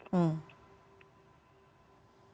apa kemudian artinya momentum apa yang kemudian membuat